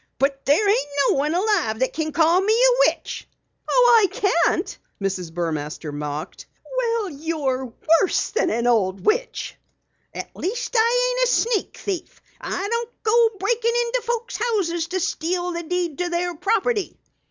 "But there ain't no one alive can call me a witch!" "Oh, I can't?" Mrs. Burmaster mocked. "Well, you're worse than an old witch!" "At least I ain't a sneak thief! I don't go breakin' into folks' houses to steal the deed to their property!"